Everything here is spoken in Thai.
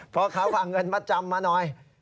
พ่อค้าวางเงินมัดจำมาหน่อย